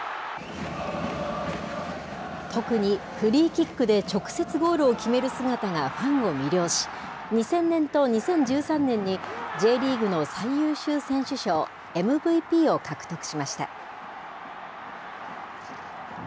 特にフリーキックで直接、ゴールを決める姿がファンを魅了し、２０００年と２０１３年に、Ｊリーグの最優秀選手賞・ＭＶＰを獲得しました。